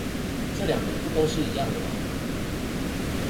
這兩個不都是一樣的嗎?